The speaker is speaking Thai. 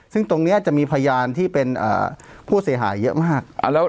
ซึ่งตรงนี้จะมีพยานที่เป็นผู้เสียหายเยอะมาก